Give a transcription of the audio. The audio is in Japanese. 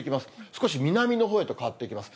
少し南のほうへと変わっていきます。